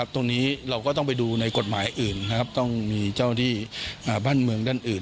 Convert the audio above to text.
ตรงนี้เราก็ต้องไปดูในกฎหมายอื่นต้องมีเจ้าที่บ้านเมืองด้านอื่น